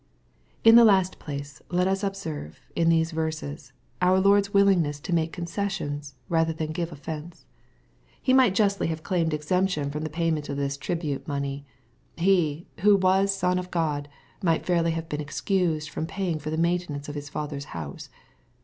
In the last place, let us observe, in these verses, our Lords willingness to make concessions y rather than give offence. He might justly have claimed exemption from MATTHEW, CHAP. XVII. 217 the payment of this tribute money. He, who was Son of God, might fairly have been excused from paying for the maintenance of His Father's house.